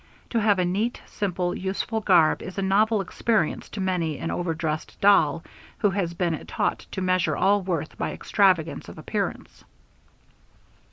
To have a neat, simple, useful garb is a novel experience to many an overdressed doll who has been taught to measure all worth by extravagance of appearance.